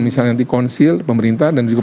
misalnya nanti konsil pemerintah dan juga